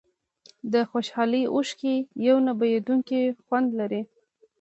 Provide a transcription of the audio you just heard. د خوشحالۍ اوښکې یو نه بیانېدونکی خوند لري.